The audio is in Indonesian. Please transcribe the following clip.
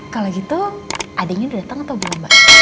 kalau gitu adiknya udah datang atau belum mbak